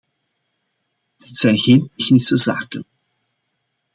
Dit zijn geen technische zaken.